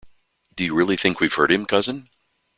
Do you really think we've hurt him, cousin?